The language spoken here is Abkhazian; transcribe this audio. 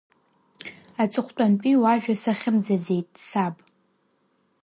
Аҵыхәтәантәи уажәа сахьымӡаӡеит, саб!